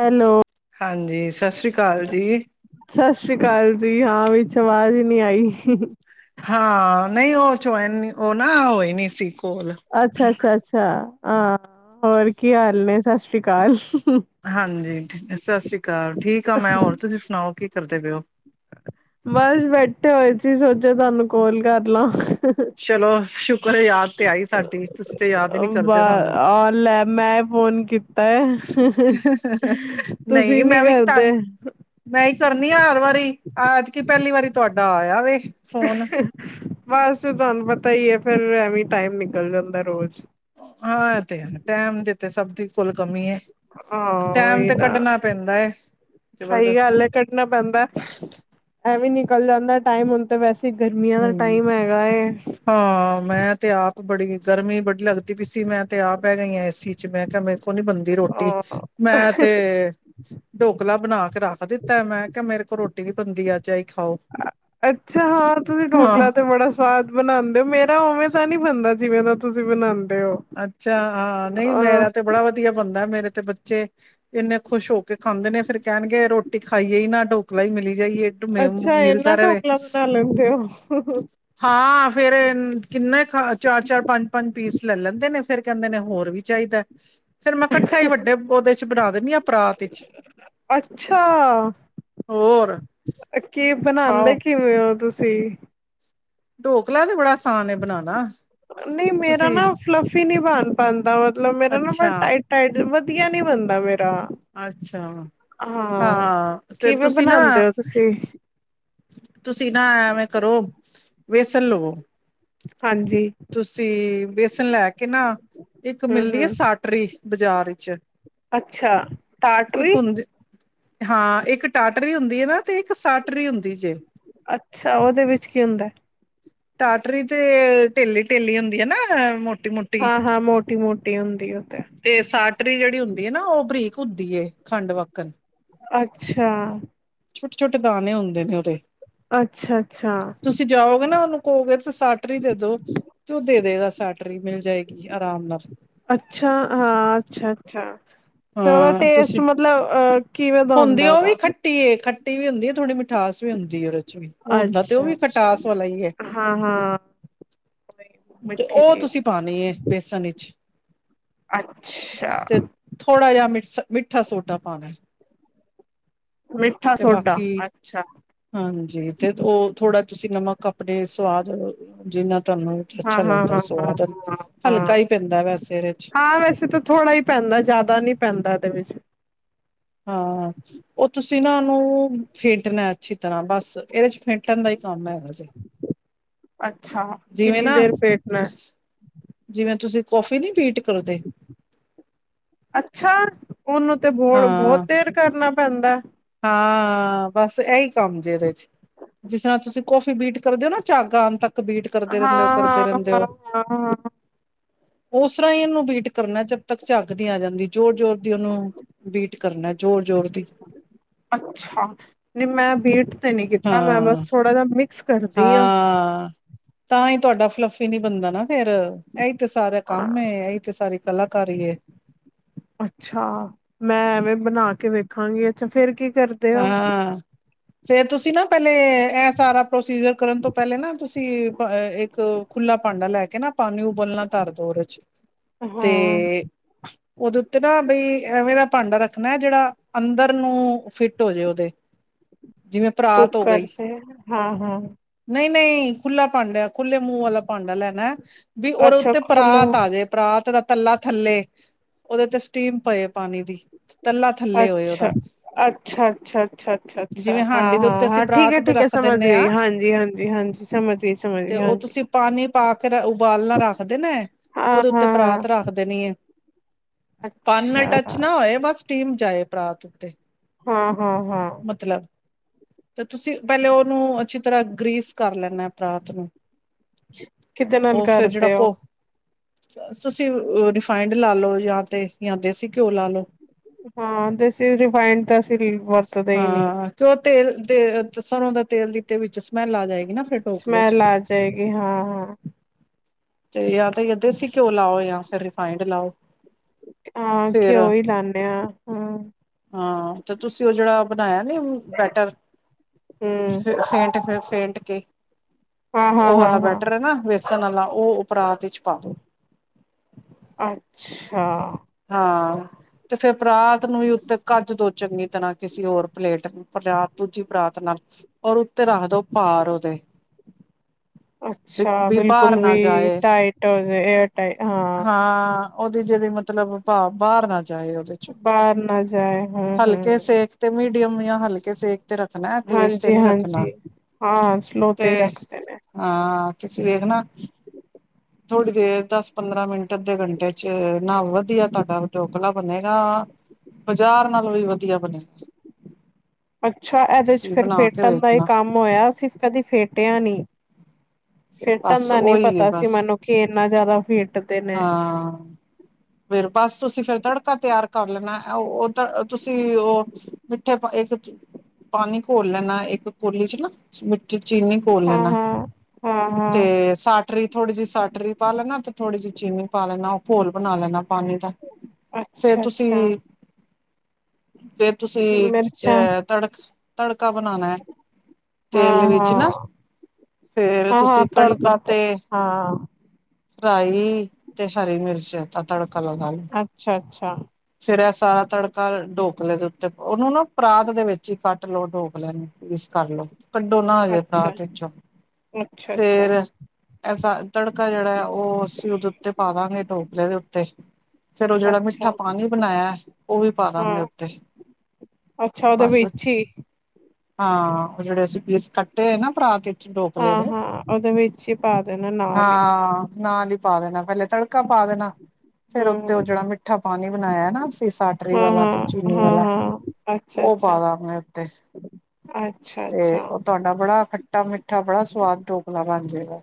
Hello ਹਾਂਜੀ, ਸਤਿ ਸ੍ਰੀ ਅਕਾਲ ਜੀ। ਸਤਿ ਸ੍ਰੀ ਅਕਾਲ ਹਾਂ ਵਿੱਚ ਆਵਾਜ਼ ਹੀ ਨਹੀਂ ਆਈ ਹਾਂ ਨਹੀਂ ਉਹ ਚ ਉਹ ਨਾ ਹੋਏ ਨੀ ਸੀ ਕੋਲ। ਅੱਛਾ ਅੱਛਾ ਅੱਛਾ ਹਾਂ ਹੋਰ ਕੀ ਹਾਲ ਨੇ ਸਤਿ ਸ੍ਰੀ ਅਕਾਲ ਹਾਂਜੀ ਸਤਿ ਸ੍ਰੀ ਅਕਾਲ ਠੀਕ ਆ ਮੈਂ ਹੋਰ ਤੁਸੀਂ ਸੁਣਾਓ ਕੀ ਕਰਦੇ ਪਏ ਹੋ ਬਸ ਬੈਠ ਹੋਏ ਸੀ ਸੋਚਿਆ ਤੁਹਾਨੂੰ ਕੋਲ ਕਰ ਲਾ ਚਲੋ ਸ਼ੁਕਰ ਯਾਦ ਤੇ ਆਈ ਸਾਡੀ ਤੁਸੀਂ ਤੇ ਯਾਦ ਹੀ ਨੀ ਬ ਕਰਦੇ ਸਾਨੂੰ ਆ ਲੈ ਮੈਂ ਫੋਨ ਕੀਤਾ ਹੈ ਤੁਸੀਂ ਨਹੀਂ ਨੀ ਮੈਂ ਵੀ ਇੱਕ ਧਨ ਕਰਦੇ ਮੈਂ ਕਰਨੀ ਆ ਹਰ ਵਾਰੀ ਐਤਕੀ ਪਹਿਲੀ ਵਾਰੀ ਤੁਹਾਡਾ ਆਇਆ ਵੇ ਫੋਨ। ਬਸ ਤੁਹਾਨੂੰ ਪਤਾ ਹੀ ਹੈ ਫੇਰ ਐਵੇਂ ਟਾਈਮ ਨਿਕਲ ਜਾਂਦਾ ਰੋਜ਼ ਟਾਈਮ ਦੇ ਤੇ ਸਬਦੀ ਕੋਲ ਕਮੀ ਏ ਹਾਂ ਓਹੀ ਨਾ ਹੈ। ਸਹੀ ਜ਼ਬਰਦਸਤੀ ਗੱਲ ਹੈ ਕੱਢਣਾ ਪੈਂਦਾ ਐ ਵੀਂ ਨੀ ਕਲ ਜਾਂਦਾ ਟਾਈਮ ਹੁੰ ਤੇ ਵਸ ਤੇ ਗਰਮੀਆਂ ਦਾ ਹੂੰ। ਟਾਈਮ ਹੈਗਾ ਏ ਹਾਂ ਮੈਂ ਤੇ ਆਪ ਬੜੀ ਗਰਮੀ ਬੜੀ ਲੱਗਦੀ ਪਈ ਸੀ ਮੈਂ ਤੇ ਆਪ ਪੈ ਗਈਾ ਏ-ਸੀ ਚ ਬੈ [unintelligible] ਨੀ ਬਣਦੀ ਰੋਟੀ ਹਾਂ ਮੈਂ ਤੇ ਡੋਕਲਾ ਬਣਾ ਕੇ ਰੱਖ ਦਿੱਤਾ ਮੈਂ ਕਿਹਾ ਮੇਰੇ ਕੋਲ ਰੋਟੀ ਵੀ ਬੈਂਦੀ ਆ ਚਾਹੇ ਅੱਛਾ ਹਾਂ ਤੁਸੀਂ ਹਾਂ ਢੋਕਲਾ ਤੇ ਬੜਾ ਸਵਾਦ ਬਣਾਉਂਦੇ ਹੋ ਮੇਰਾ ਉਵੇਂ ਤਾਂ ਨਹੀਂ ਬਣਦਾ ਜਿਵੇਂ ਦਾ ਤੁਸੀਂ ਬਣਾਉਂਦੇ ਹੋ ਅੱਛਾ ਹਾਂ ਨਹੀਂ ਮੇਰਾ ਤੇ ਅਹ ਬੜਾ ਵਧੀਆ ਬੰਦਾ ਮੇਰ ਤੇ ਬੱਚੇ ਇੰਨੇ ਖੁਸ਼ ਹੋ ਕੇ ਖਾਂਦੇ ਨੇ ਫੇਰ ਕਹਿਣਗੇ ਰੋਟੀ ਖਾਈਏ ਹੀ ਨਾ ਢੋਕਲਾ ਹੀ ਮਿਲੀ ਜਾਈਏ ਅੱਛਾ ਮਿਲਦਾ ਇਹਨਾ ਰਹੇ ਢੋਕਲਾ ਬਣਾ ਲੈਂਦੇ ਹੋ ਹਾਂ ਫੇਰ ਕਿੰਨੇ ਖ ਚਾਰ ਚਾਰ ਪੰਜ ਪੰਜ ਪੀਸ ਲੈ ਲੈਂਦੇ ਨੇ ਫੇਰ ਕਹਿੰਦੇ ਨੇ ਹੋਰ ਵੀ ਚਾਹੀਦਾ ਫੇਰ ਮੈਂ ਕੱਠਾ ਹੀ ਵੱਡੇ ਉਹਦੇ ਚ ਬਣਾ [unintelligible] ਅੱਛਾ ਹੋਰ ਕੀ ਬਣਾਉਦੇ ਖਾਓ ਕਿਵੇਂ ਹੋ ਤੁਸੀਂ ਛੇ ਢੋਕਲਾ ਤੇ ਬੜਾ ਆਸਾਨ ਹੈ ਬਣਾਉਣਾ ਨਹੀਂ ਮੇਰਾ ਤੁਸੀਂ ਨਾ ਫਲਫੀ ਨਹੀਂੀ ਬਣ ਪਾਉਂਦਾ ਮਤਬ ਮੇਰਾ ਨਾ ਅੱਛਾ ਬੜ ਟਾਈਟ ਟਾਈਟ ਵਧੀਆ ਨੀ ਬਣਦਾ ਮੇਰਾ ਅੱਛਾ ਹਾਂ ਤੇ ਕਿਵੇਂ ਤੁਸੀਂ ਨਾ ਬਣਾਉਂਦੇ ਹੋ ਤੁਸੀਂ ਤੁਸੀਂ ਨਾ ਐ ਐਵੇਂ ਕਰੋ ਵੇਸਲ ਲਵੋ [inaudible] ਤੁਸੀਂ ਬੇਸਨ ਲੈ ਕੇ ਨਾ ਇੱਕ ਹਮ ਮਿਲਦੀ ਹੈ ਹਮ ਸਾਟਰੀ ਬਾਜ਼ਾਰ ਵਿੱਚ ਅੱਛਾ ਇੱਕ ਟਾਟਰੀ ਹੁੰਦੀ ਹਾਂ ਇੱਕ ਟਾਟਰੀ ਹੁੰਦੀ ਹੈ ਨਾ ਤੇ ਇੱਕ ਸਾਟਰੀ ਹੁੰਦੀ ਜੇ ਅੱਛਾ ਉਹਦੇ ਵਿੱਚ ਕੀ ਹੁੰਦਾ ਟਾਟਰੀ ਤੇ ਢਿੱਲੀ ਢਿੱਲੀ ਹੁੰਦੀ ਹੈ ਨਾੋ ਹਾਂ ਹਾਂ ਮੋਟੀ ਮੋਟੀ ਹੁੰਦੀ ਉਥੇ ਪਟਰੀ ਜਿਹੜੀ ਹੁੰਦੀ ਹੈ ਨਾ ਉਹ ਬਰੀਕ ਹੁੰਦੀ ਏ ਖੰਡ ਵਕਣ ਅੱਛਾ ਛੋਟੇ ਛੋਟੇ ਦਾਣੇ ਹੁੰਦੇ ਨੇ ਉਹਦੇ ਅੱਛਾ ਅੱਛਾ ਹੋ ਗ ਸਾਟਰੀ ਦੇ ਦੋ ਤੇ ਉਹ ਦੇ ਦੇਗਾ ਸਾਟਰੀ ਮਿਲ ਜਾਏਗੀ ਆਰਾਮ ਨਾਲ ਅੱਛਾ ਹਾਂ ਅੱਛਾ ਅੱਛਾ ਤੇ ਉਹਦਾ ਹਾਂ ਟੇਸਟ ਤੁਸੀਂ ਮਤਲਬ ਕਿਵੇਂ ਦਾ ਹੁੰਦੀ ਉਹ ਹੁੰਦਾਓਦਾ ਵੀ ਹੁੰਦੀ ਥੋੜੀ ਮੀਠੀ ਵੀ ਹੁੰਦੀ ਖਟਾਸ ਵੀ ਹੁੰਦੀ ਹੈ ਉਹਦੇ ਚ ਵੀ ਉਹ ਹੁੰਦਾ ਤੇ ਉਹ ਅੱਛਾ ਵੀ ਅੱਛਾ ਖਟਾਸ ਵਾਲਾ ਹੀ ਹੈ ਹਾਂ ਹਾਂ ਵਹੀ, ਤੇ ਮਿੱਠੀ ਉਹ ਚੀਜ਼ ਤੁਸੀਂ ਪਾਉਣੀ ਹੈ ਬੇਸਨ ਵਿੱਚ ਅੱਛਾ ਥੋੜ੍ਹਾ ਜਿਹਾ ਮਿੱਠਾ ਸੋਡਾ ਪਾਉਣਾ ਮਿੱਠਾ ਤੇ ਸੋਡਾ ਬਾਕੀ ਅੱਛਾ ਹਾਂਜੀ ਤੇ ਉਹ ਥੋੜਾ ਤੁਸੀਂ ਨਮਕ ਕੱਪੜੇ ਸਵਾਦ ਜਿੰਨਾ ਤੁਹਾਨੂੰ ਹਾਂ ਅੱਛਾ ਹਾਂ ਲੱਗਦਾ ਹਾਂ ਹਾਂ ਸਵਾਦ ਹਾਂ ਹਾਂ ਹਲਕਾ ਪੈਂਦਾ ਵੈਸੇ ਇਹਦੇ ਚ ਹਾਂ ਵੈਸੇ ਤਾਂ ਥੋੜ੍ਹਾ ਹੀ ਪੈਂਦਾ ਜ਼ਿਆਦਾ ਨੀ ਪੈਂਦਾ ਇਹਦੇ ਵਿੱਚ ਹਾਂ ਉਹ ਤੁਸੀਂ ਨਾ ਉਹਨੂੰ ਫੇਟਣਾ ਅੱਛੀ ਤਰ੍ਹਾਂ ਬਸ ਇਹਦੇ ਚ ਫੇਟਣ ਦਾ ਹੀ ਕੰਮ ਹੈਗਾ ਜੇ ਅੱਛਾ ਜਿਵੇਂ ਕਿੰਨੀ ਨਾ ਦੇਰ ਫੇਟਣਾ ਤੁਸ ਜਿਵੇਂ ਤੁਸੀਂ ਕੋੌਫੀ ਨੀ ਪੀਟ ਅੱਛਾ, ਉਹਨੂੰ ਤੇ ਬੌੜ ਬਹੁਤ ਹਾਂ ਦੇਰ ਕਰਨਾ ਪੈਂਦੈ। ਹਾਂ ਬਸ ਇਹੀ ਕੰਮ ਜੇ ਇਹਦੇ ਚ ਜਿਸ ਤਰ੍ਹਾਂ ਤੁਸੀਂ ਕੋੌਫੀ ਬੀਟ ਕਰਦੇਓ ਨਾ ਝਾਗ ਆਣ ਤੱਕ ਬੀਟ ਕਰਦੇ ਰਹਿੰਦੇ ਹੋ ਕਰਦੇ ਰਹਿੰਦੇ ਹੋ ਹਾਂ-ਹਾਂ-ਹਾਂ-ਹਾਂ-ਹਾਂ ਉਸ ਤਰ੍ਹਾਂ ਹੀ ਇਹਨੂੰ ਬੀਟ ਕਰਨਾ ਜ ਤੱਕ ਝਾਗਦੀ ਨੀ ਆ ਜਾਂਦੀ, ਜੋ਼ਰ-ਜ਼ੋਰ ਦੀ ਉਹਨੂੰ ਬੀਟ ਕਰਨਾ ਜ਼ੋਰ- ਜ਼ੋਰ ਦੀ। ਅੱਛਾ ਨਹੀਂ ਮੈਂ ਬੀਟ ਤੇ ਨੀ ਕੀਤਾ ਮੈਂ ਬਸ ਹਾਂ ਥੋੜਾ ਜਿਹਾ ਮਿਕਸ ਕਰਦੀ ਆ ਹਾਂ। ਤਾਂ ਇਹ ਤੁਹਾਡਾ ਫਲੱਫੀ ਨੀ ਬਣਦਾ ਨਾ ਫੇਰ ਇਹੀ ਤੇ ਸਾਰਾ ਕੰਮ ਇਹੀ ਤੇ ਸਾਰੀ ਕਲਾਕਾਰੀ ਏ। ਅੱਛਾ ਮੈਂ ਐਵੇਂ ਬਣਾ ਕੇ ਵੇ ਰਖਾਂਗੇ ਅੱਛਾ ਫਰ ਕੀ ਕਰਦੇ ਹੋ। ਹਾਂ ਫੇਰ ਤੁਸੀਂ ਨਾ ਪ ਇਹ ਸਾਰਾ ਪ੍ਰੋਸੀਜਰ ਕਰਨ ਤੋਂ ਪਹਿਲੇ ਨਾ ਤੁਸੀਂ ਇੱਕ ਖੁੱਲਲਾ ਭਾਂਡਾ ਲੈ ਕੇ ਨਾ ਪਾਣੀ ਉਬਲਣਾ ਤਰ ਦੋ ਚ ਹਾਂ ਤੇ ਉਹਦੇ ਉੱਤੇ ਨਾ ਬਈ ਐਵੇਂ ਦਾ ਭਾਂਡਾ ਰੱਖ ਮੈਂ ਜਿਹੜਾ ਅੰਦਰ ਨੂੰ ਫਿਟ ਹੋ ਜੇ ਉਹਦੇ। ਜਿਵੇਂ ਪਰਾਤ ਹੋ ਕੁੱਕਰ ਗਈ ਤੇ ਹਾਂ ਹਾਂ ਨਹੀਂ ਨਹੀਂ ਖੁੱਲ੍ਹਲਾ ਭਾਂਡਿਆ ਖੁੱਲੇ ਮੂੰਹ ਵਾਲਾ ਭਾਂਡਾ ਲੈਣਾ। ਵੀ ਉਹਦੇ ਅੱਛਾ ਉੱਤੇ ਖੁੱਲੂ ਪਰਾਤ ਆ ਜਾੇ ਪਰਾਤ ਦਾ ਤੱਲਾ ਥੱਲੇ ਉਹਦੇ ਤੇ ਸਟੀਮ ਪਏ ਪਾਣੀ ਦੀ। ਤੱਲਾ ਥੱਲੇ ਹੋਏ ਅੱਛਾ ਉਹਦਾ ਅੱਛਾ ਅੱਛਾ, ਅੱਛਾ, ਅੱਛਾ, ਅੱਛਾ ਜਿਵੇਂ ਹਾਂ, ਹਾਂਡੀ ਦੇ ਉੱਤੇ ਹਾਂ, ਅਸੀਂ ਹਾਂ ਠੀਕ ਪਰਾਤ ਹੈ, ਤੇ ਠੀਕ ਹੈ ਰੱਖ ਸਮਝ ਦਿੰਦੇ ਹਾਂ ਗਈ। ਹਾਂਜੀ, ਹਾਂਜੀ, ਹਾਂਜੀ ਸਮਝ ਗਈ, ਸਮਝ ਤੇ ਗਈ ਉਹ ਹਾਂਜੀ ਤੁਸੀਂ ਪਾਣੀ ਪਾ ਕੇ ਉਬਾਲਣਾ ਹਾਂ ਰੱਖਦੇ ਨੇ ਹਾਂ, ਉਹਦੇ ਉੱਤੇ ਪਰਾਤ ਰੱਖ ਹਾਂ। ਦੇਣੀ ਹੈ ਪਾਣੀ ਨਾਲ ਟੱਚ ਨਾ ਹੋਏ ਬਸ ਸਟੀਮ ਜਾਏ। ਪਰਾਤ ਉੱਤੇ ਹਾਂ। ਹਾਂ, ਹਾਂ ਮਤਲਬ ਤੇ ਤੁਸੀਂ ਪਹਿਲੇ ਉਹਨੂੰ ਅੱਛੀ ਤਰ੍ਹਾਂ ਗ੍ਰੀਸ ਕਰ ਲੈਣਾ ਪਰਾਤ ਨੂੰ ਕਿਦੇ ਨਾਲ ਉਹ ਫੇਰ ਜਿਹੜਾ ਕਰਦੇ ਹੋ? ਕੋ ਤੁਸੀਂ ਰਿਫਾਇੰਡ ਲਾ ਲਓ ਜਾਂ ਤੇ ਜਾਂ ਦੇਸੀ ਘਿਓ ਲਾ ਲਓ। ਹਾਂ ਦੇਸੀ ਰਿਫਾਈਡ ਦਾ- ਚ ਬਰਤਦੇ ਨਹੀ- ਹਾਂ ਕਿਉਂ ਤੇਲ ਤੇ ਸਰੋਂ ਦਾ ਤੇਲ ਦਿੱਤੇ ਵਿੱਚੋ ਸਮੈਲ ਆ ਜਾਏਗੀ। ਨਾ ਫਿਰ ਢੋਕਲੇ ਚ। ਸਮੈਲ ਆ ਜਾਏਗੀ ਹਾਂ ਹਾਂ। ਤੇ ਯਾ- ਦੇਸੀ ਘਿਓ ਲਾਓ ਯਾ ਫਿਰ- ਫਾਇੰਡ ਲਾਓ ਹਾਂ ਫਿਰ ਘਿਓ ਹੀ ਲਾਂਦੇ ਆ ਹੂੰ। ਹਾਂ ਤੇ ਤੁਸੀਂ ਉਹ ਜਿਹੜਾ ਬਣਾਇਆ। ਨਹੀਂ ਬੈਟਰ ਹਮ ਫ ਫੇਟ ਫ ਫੇਟ ਕੇ ਹਾਂ ਹੂੰ ਹੂੰ ਹਾ ਸਨਾਲਾ ਉਹ ਪਰਾਤ ਵਿੱਚ ਪਾ ਦੋ- ਅੱਛਾ। ਹਾਂ ਤੇ ਫਿਰ ਰਾਤ ਨੂੰ ਹੀ ਉੱਤੇ ਕੱਜ ਦੋ- ਚੰਗੀ ਤਰ੍ਹਾਂ ਕਿਸੇ ਹੋਰ ਪਲੇਟਤ ਦੂਜੀ ਪਰਾਤ ਨਾਲ ਔਰ ਉੱਤੇ ਰੱਖਦੋ ਭਾਰ ਉਹਦੇ- ਅੱਛਾ ਵੀ ਬਾਹਰ ਬਿਲਕੁਲ ਵੀ ਨਾ ਜਾਏ ਟਾਈਟ ਏਅਰ ਟਾਈ ਹਾਂ। ਹਾਂ ਉਹਦੀ ਜਿਹੜੀ ਮਬ- ਮਤਲਬ ਭ ਬਾਹਰ ਨਾ ਜਾਏ ਉਹਦੇ ਚੋਂ ਬਾਹਰ ਨਾ ਜਾਏ ਹੂੰ-ਹੂੰ। ਆਂ ਹਲਕੇ ਸੇਕ- ਤੇ ਰੱਖਣਾ ਤੇਜ਼ ਤੇ ਨਹੀਂ ਰੱਖਣਾ ਹਾਂਜੀ-ਹਾਂਜੀ ਹਾਂ ਸਲੋ ਤੇ ਹੀ ਰੱਖਦੇ ਨੇ- ਤੁਸੀ ਵੇਖਣਾ- ਥੋੜ੍ਹੀ ਦੇਰ ਦਸ ਪੰਦਰਾਂ ਮਿੰਟ ਅੱਧੇ ਘੰਟੇ ਚ ਨਾ ਵਧ- ਵਧੀਆ ਤੁਹਾਡਾ ਢੋਕਲਾ ਬਣੇਗਾ ਬਾਜ਼ਾਰ ਨਾਲੋਂ ਵੀ ਵਧੀਆ ਬਣੇਗਾ। ਅੱਛਾ ਇਹਦੇ ਚ ਤੁਸੀਂ ਫਿਰ ਬਣਾ ਕੇ ਫੇਟਣ ਦਾ ਇਹ ਵੇਖਣਾ ਕੰਮ ਹੋਇਆ ਸਿਰ ਕਦੇ ਫੇਟਿਆ ਨਹੀਂ। ਫਿੱਟਣ ਬਸ ਦਾ ਨੀ ਉਹੀ ਹੈ ਪਤਾ ਸੀ ਬਸ ਮੈਨੂੰ ਕੀ ਇੰਨਾ ਜ਼ਿਆਦਾ ਫੇਂਟ- ਹਾਂ। ਫਿਰ ਬਸ ਤੁਸੀਂ ਫਿਰ ਤੜਕਾ ਤਿਆਰ ਕਰ ਲੈਣਾ ਉਹ ਤੁਸੀਂ ਉਹ ਮਿੱਠੇ ਇੱਕ ਪਾਣੀ ਘੋਲ ਲੈਣਾ ਇੱਕ ਕੋਲੀ ਚ ਨਾ ਚੀਨੀ ਕੋਲ ਹਾਂ ਲੈਣਾ ਹਾਂ ਹਾਂ ਤੇ ਹਾਂ ਸਾਟਰੀ ਥੋੜੀ ਜਿਹੀ ਸਾਟਰੀ ਪਾ ਲੈਣਾ ਤੇ ਥੋੜ੍ਹੀ ਜਹੀ ਚੀਨੀ ਪਾ ਲੈਣਾ ਉਹ ਘੋਲ ਬਣਾ ਲੈਣਾ ਪਾਣੀ ਦਾ ਫੇਰ ਅੱਛਾ ਤੁਸੀਂ ਅੱਛਾ ਫਿਰ ਤੁਸੀਂ ਮਿਰਚਾਂ ਅਹ ਤੜਕ ਤੜਕਾ ਬਣਾਉਣਾ ਹੈ ਹਾਂ ਤੇਲ ਹਾਂ ਵਿੱਚ ਨਾ ਫੇਰ ਹਾਂ ਹਾਂ ਤੁਸੀਂ ਕੜੀ ਤੜਕਾ ਤੇ ਪੱਤੇ ਹਾਂ ਫਰਾਈ ਤੇ ਹਰੀ ਮਿਰਚ ਤੜਕਾ ਲਗਾ ਲੋ ਅੱਛਾ ਅੱਛਾ। ਤਾਂ ਫੇਰ ਇਹ ਸਾਰਾ ਤੜਕਾ ਢੋਕਲੇ ਦੇ ਉੱਤੇ ਉਹਨੂੰ ਨਾ ਪਰਾਤ ਦੇ ਵਿੱਚ ਹੀ ਕੱਟ ਲਓ ਢੋਕਲੇ ਨੂੰ ਪੀਸ ਕਰ ਲਓ। ਕੱਢੋ ਨਾ ਹਜੇ ਅੱਛਾ ਬਰਾਤ ਵਿੱਚੋਂ ਅੱਛਾ ਅੱਛਾ ਫੇਰ ਐਸਾ ਤੜਕਾ ਜਿਹੜਾ ਹੈ ਉਹ ਅਸੀਂ ਉਹਦੇ ਉੱਤੇ ਪਾਵਾਗੇ ਡੋਕਲੇ ਦੇ ਉੱਤੇ ਫੇਰ ਉਹ ਜਿਹੜਾ ਅੱਛਾ ਮਿੱਠਾ ਹਾਂਜੀ ਬਣਾਇਆ ਉਹ ਵੀ ਪਾ ਦਾਂਗੇ ਹਾਂ ਉੱਤੇ ਅੱਛਾ ਉਹਦੇ ਬਸ ਵਿੱਚ ਹੀ ਹਾਂ ਉਹ ਜਿਹੜੇ ਅਸੀਂ ਪੀਸ ਕੱਟੇ ਹੋਏ ਨਾ ਪਰਾਤ ਡੋਕਲੇ ਹਾਂ ਦੇ ਹਾਂ ਉਹਦੇ ਵਿੱਚ ਹੀ ਪਾ ਦੇਣਾ ਨਾਲ ਹੀ ਹਾਂ ਨਾਲ ਹੀ ਪਾ ਦੇਣਾ ਪਹਿਲੇ ਤੜਕਾ ਪਾ ਦੇਣਾ ਫੇਰ ਉੱਤੇ ਹਮ ਉਹ ਹਮ, ਜਿਹੜਾ ਮਿੱਠਾ ਪਾਣੀ ਬਣਾਇਆ ਨਾ ਤੇ ਸਾਟਰੀ ਹਾਂ ਵਾਲਾ ਤੇ ਹਾਂ ਚੀਨੀ ਹਾਂ ਵਾਲਾ ਹਾਂ ਅੱਛਾ ਉਹ ਅੱਛਾ ਪਾਦਾ ਗੈ ਉੱਤੇ। ਅੱਛਾ ਤੇ ਅੱਛਾ ਉਹ ਤੁਹਾਡਾ ਬੜਾ ਖੱਟਾ ਮਿੱਠਾ ਬੜਾ ਸਵਾਦ ਡੋਕਲਾ ਬਣ ਜੇਗਾ।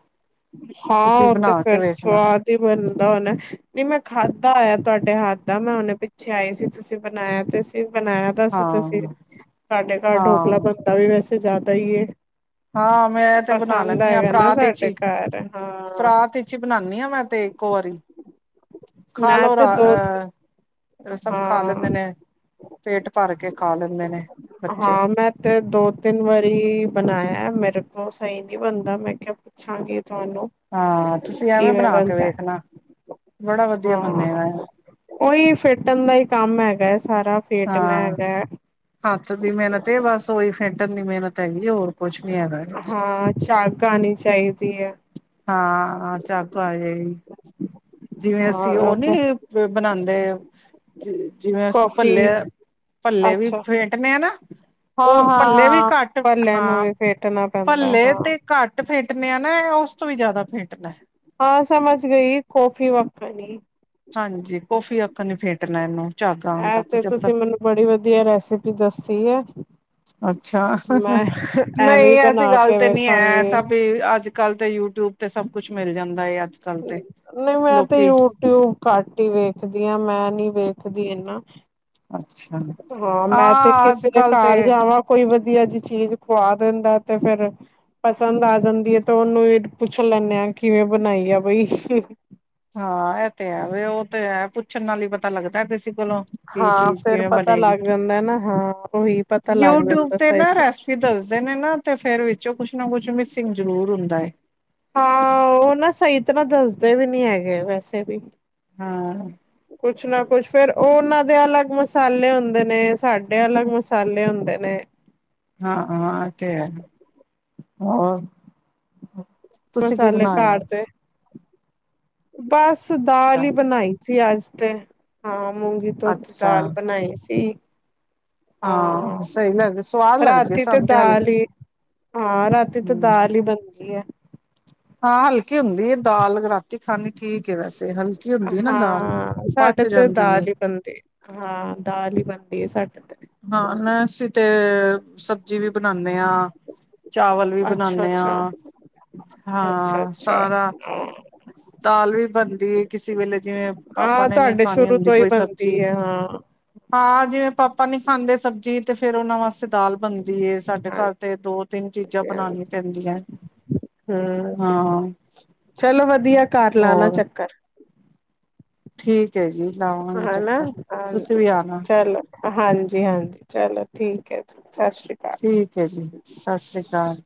ਹਾਂ ਉਹ ਤੇ ਫੇਰ ਸਵਾਦ ਹੀ ਬਣਦਾ ਹੋਨਾ ਨਹੀਂ ਮੈਂ ਖਾਧਾ ਹੋਇਆ। ਤੁਹਾਡੇ ਹੱਥ ਦਾ ਮੈਂ ਹੁਨੇ ਪਿੱਛੇ ਆਈ ਸੀ ਤੁਸੀਂ ਬਣਾਇਆ ਤੇ ਸੀ ਬਣਾਇਆ ਤਾਂ ਸੀ ਤੁਸੀਂ ਹਾਂ। ਸਾਡੇ ਘਰ ਡੋਕਲਾ ਹਾਂ, ਬੰਨਦਾ ਵੀ ਵੈਸੇ ਜਿਆਦਾ ਹੀ ਹੈ। ਹਾਂ ਮੈਂ ਤੇ ਬਣਾ ਲੈਂਦੀ ਹਾਂ ਨਾ ਪਰਾਤ ਚ ਸਾਡੇ ਹੀ ਘਰ ਹਾਂ ਪਰਾਤ ਵਿੱਚ ਈ ਬਣਾਨੀ ਆ ਮੈਂ ਤੇ ਇੱਕੋ ਵਾਰੀ ਮੈਂ ਤੇ ਦੋ ਤੇ ਫੇਰ ਸਭ ਖਾ ਲੈਂਦੇ ਨੇ। ਪੇਟ ਭਰ ਕੇ ਖਾ ਲੈਣ ਹਾਂ ਮੈਂ ਤੇ ਦੋ ਤਿੰਨ ਵਾਰੀ ਬਣਾਇਆ ਮੇਰੇ ਕੋਲ ਸਹੀ ਨੀ ਬਣਦਾ ਮੈਂ ਕਿਹਾ ਪੁੱਛਾਂਗੀ ਤੁਹਾਨੂੰ ਹਾਂ ਤੁਸੀਂ ਐਵੇਂ ਕਿਵੇਂ ਬਣਾ ਕੇ ਬਣਦਾ ਵੇਖਣਾ ਬੜਾ ਵਧੀਆ ਬੰਨੇਗਾ ਉਹੀ ਫੇਟਣ ਦਾ ਈ ਕੰਮ ਹੈਗਾ ਹੈ ਸਾਰਾ ਫੇਟਨਾ ਹਾਂ। ਹੈਗਾ ਹੱਥ ਦੀ ਮਿਹਨਤ ਏ ਬਸ ਉਹੀ ਫੇਟਣ ਦੀ ਮਿਹਨਤ ਹੈਗੀ ਹੋਰ ਕੁਛ ਨੀ ਹੈਗਾ ਇਹਦੇ ਚ ਹਾਂ ਚਾਕ ਆਣੀ ਚਾਹੀਦੀ ਹੈ ਹਾਂ ਚੱਕ ਤੋਂ ਆ ਜਾਏਗੀ ਜਿਵੇਂ ਅਸੀਂ ਓ ਹਾਂ ਨੀ ਤੇ ਬਣਾ ਤੇ ਜਿਵੇਂ ਅਸੀਂ ਕੌਫੀ ਭੱਲੇ-ਭੱਲੇ ਵੀ ਅੱਛਾ ਫੇਟਣੇ ਆ ਨਾ ਓ ਹਾਂ ਹਾਂ ਭੱਲੇ ਵੀ ਹਾਂ ਘੱਟ ਭੱਲਿਆਂ ਨੂੰ ਹਾਂ ਵੀ ਫੇਟਣਾ ਪੈਂਦਾ ਭੱਲੇ ਹਾਂ ਤੇ ਘੱਟ ਫੇ ਤੇ ਮੈਂ ਨਾ ਏ ਓਸ ਤੋਂ ਵੀ ਜਾਦਾ ਫੇਟਣਾ ਹਾਂ ਸਮਝ ਗਈ ਕੌਫੀ ਵੱਖਣੀ ਹਾਂਜੀ ਕੌਫੀ ਉੱਥੋ ਨੀ ਫੇਟਣਾ ਏਨੂੰ ਐ ਤੇ ਤੁਸੀਂ ਮੈਨੂੰ ਬੜੀ ਵਧੀਆ ਰੈਸਪੀ ਦਸੀ ਐ ਅੱਛਾ ਮੈਂ ਐਵੇਂ ਨਹੀਂ ਐਸੀ ਬਣਾ ਗੱਲ ਕੇ ਤੇ ਨਹੀਂ ਹੈ ਵੇਖਾਂਗੀ। ਸਭ ਵੀ ਅੱਜ ਕੱਲ ਤੇ ਯੂਟਿਊਬ ਤੇ ਸਭ ਕੁੱਛ ਮਿਲ ਜਾਂਦਾ ਆ ਨਈ ਮੈਂ ਤੇ ਯੂਟਿਊਬ ਘੱਟ ਈ ਵੇਖਦੀ ਆ ਮੈਂ ਨੀ ਵੇਖਦੀ ਏਨਾ ਅੱਛਾ ਹਾਂ ਮੈਂ ਤੇ ਅੱਜ ਕਿਸੇ ਦੇ ਕੱਲ ਘਰ ਤੇ ਜਾਵਾਂ ਕੋਈ ਵ ਦੀ ਅੱਜ ਚੀਜ਼ ਖੁਆ ਦਿੰਦਾ ਤੇ ਫੇਰ ਪਸੰਦ ਆ ਜਾਂਦੀ ਏ ਤੇ ਓਨੂੰ ਈ ਪੁੱਛ ਲੈਂਨੇ ਆ ਕਿਵੇਂ ਬਣਾਈ ਆ। ਬਈ। ਹਾਂ ਐ ਤੇ ਹੈ ਵੀ ਓ ਤੇ ਹੈ ਪੁੱ ਛਣ ਨਾਲ ਈ ਪਤਾ ਲੱਗਦਾ। ਪਤਾ ਤੁਸੀਂ ਕੋਲੋਂ ਕੀ ਹਾਂ ਚੀਜ਼ ਫੇਰ ਕਿਵੇਂ ਪਤਾ ਬਣੇਗੀ ਲੱਗ ਜਾਂਦਾ ਨਾ ਹਾਂ ਉਹੀ ਪਤਾ ਲੱਗ ਯੂਟਿਊਬ ਜਾਂਦਾ ਤੇ ਨਾ ਸਹੀ ਰੈਸਪੀ ਦੱਸਦੇ ਨੇ ਨਾ। ਤੇ ਫੇਰ ਵਿੱਚੋ ਕੁੱਛ ਨਾ ਕੁੱਛ ਮਿਸਿੰਗ ਜ਼ਰੂਰ ਹੁੰਦਾ ਏ ਹਾਂ ਓ ਨਾ ਸਈ ਤਰ੍ਹਾਂ ਦੱਸਦੇ ਵੀ ਨੀ ਹੈਗੇ ਵੈਸੇ ਵੀ ਹਾਂ, ਕੁੱਛ ਨਾ ਕੁੱਛ ਫੇਰ ਓਰ ਓਨਾਂ ਦੇ ਅਲੱਗ ਮਸਾਲੇ ਹੁੰਦੇ ਨੇ ਸਾਡੇ ਅਲੱਗ ਮਸਾਲੇ ਹੁੰਦੇ ਨੇ। ਹਾਂ-ਹਾਂ ਏ ਤੇ ਹੈ ਹੋਰ ਤੁਸੀਂ ਕੀ ਮਸਾਲੇ ਬਣਾਇਆ ਅੱਜ? ਘਾੜਤੇ ਬਸ ਦਾਲ ਈ ਅੱਛਾ, ਬਣਾਈ ਸੀ ਅੱਜ ਤੇ ਹਾਂ। ਮੂੰਗੀ ਧੁੱਤ ਅੱਛਾ ਦਾਲ ਬਣਾਈ ਸੀ। ਹਾਂ ਸਹੀ ਲੱਗ ਸਵਾਦ ਹਾਂ ਲੱਗਦੀ ਹੈ ਰਾਤੀ ਤੇ ਸਾਨੂੰ ਦਾਲ ਹਲਕੀ ਈ ਹਾਂ ਰਾਤੀ ਤੇ ਹੂੰ। ਦਾਲ ਈ ਬਣਦੀ ਐ। ਹਾਂ ਹਲਕੀ ਹੁੰਦੀ ਐ ਦਾਲ ਰਾਤੀ ਖਾਣੀ ਠੀਕ ਐ ਵੈਸੇ ਹਲਕੀ ਹੁੰਦੀ ਹੈ ਨਾ ਦਾਲ। ਹਾਂ ਸਾਡੇ ਪਚ ਤੇ ਜਾਂਦੀ ਦਾਲ ਏ ਈ ਬਣਦੀ ਹਾਂ ਦਾਲ ਈ ਬਣਦੀ ਦੀ ਐ ਸ ਹਾਂ ਮੈਂ ਅਸੀਂ ਤੇ ਸਬਜ਼ੀ ਵੀ ਬਣਾਨੇ ਆ ਚਾਵਲ ਵੀ ਅੱਛਾ ਬਣਾਨੇ ਆ ਅੱਛਾ ਅੱਛਾ ਹਾਂ ਅੱਛਾ ਸਾਰਾ ਹਾਂ ਦਾਲ ਵੀ ਬਣਦੀ ਹੈ ਕਿਸੇ ਵੇਲੇ ਜਿਵੇਂ ਪਾਪਾ ਹਾਂ ਨੇ ਨਹੀਂ ਤੁਹਾਡੇ ਖਾਣੀ ਸ਼ੁਰੂ ਹੁੰਦੀ ਤੋਂ ਹੀ ਕੋਈ ਸਬਜ਼ੀ ਬਣਦੀ ਹੈ ਹਾਂ ਹਾਂ ਜਿਵੇਂ ਪਾਪਾ ਆਪਾਂ ਨੀ ਖਾਂਦੇ ਸਬਜ਼ੀ ਤੇ ਫੇਰ ਉਹਨਾਂ ਵਾਸਤੇ ਦਾਲ ਬਣਦੀ ਸਾਡੇ ਘਰ ਤੇ ਦੋ ਤਿੰਨ ਚੀਜ਼ਾਂ ਹਾਂਜੀ ਹਾਂਜੀ ਬਣਾਾਨੀਆਂ ਪੈਂਦੀਆਂ ਹਮ ਹਾਂ ਚਲੋ ਵਧੀਆ ਘਰ ਲਾਣਾ ਹੋਰ ਚੱਕਰ ਠੀਕ ਐ ਜੀ ਲਾਵਾਂਗੇ ਹਨਾ ਚੱਕਰ ਤੁਸੀਂ ਹਾਂਜੀ ਵੀ ਆਣਾ ਚਲੋ ਹਾਂਜੀ ਹਾਂਜੀ ਚਲੋ ਠੀਕ ਹੈ ਸਤਿ ਸ਼੍ਰੀ ਅਕਾਲ ਠੀਕ ਹੈ ਜੀ ਸਤਿ ਸ੍ਰੀ ਅਕਾਲ